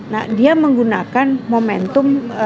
nah dia menggunakan momentum